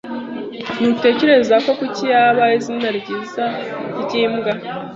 Ntutekereza ko kuki yaba izina ryiza ryimbwa?